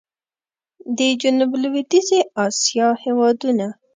د جنوب لوېدیځي اسیا هېوادونه